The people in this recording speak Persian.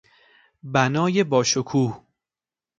بنای باشکوه